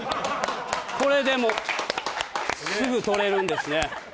これでもうすぐ取れるんですね。